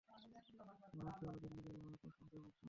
কিন্তু মনে রাখতে হবে, ডেঙ্গু জ্বরে মারাত্মক সমস্যা হওয়ার সময় এটাই।